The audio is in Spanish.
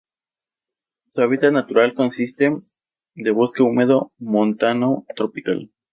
Su hábitat natural consiste de bosque húmedo montano tropical.